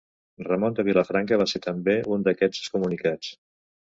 Ramon de Vilafranca va ser també un d'aquests excomunicats.